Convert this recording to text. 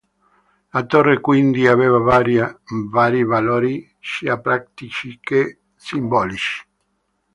La torre quindi, aveva vari valori sia pratici che simbolici.